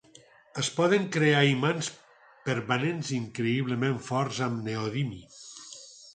Es poden crear imants permanents increïblement forts amb neodimi.